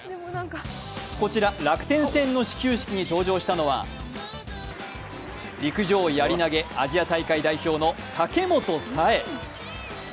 こちら、楽天戦の始球式に登場したのは陸上・やり投アジア大会代表の武本紗栄。